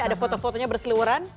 ada foto fotonya berseluaran